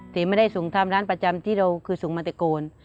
แต่ไม่ได้ส่งทำร้านประจำที่เราคือส่งมาตะโกน